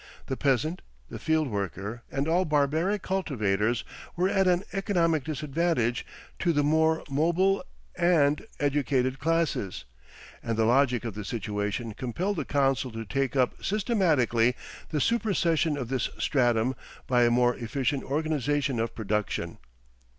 The peasant, the field worker, and all barbaric cultivators were at an 'economic disadvantage' to the more mobile and educated classes, and the logic of the situation compelled the council to take up systematically the supersession of this stratum by a more efficient organisation of production.